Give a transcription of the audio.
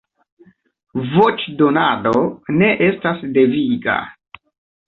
Voĉdonado ne estas deviga.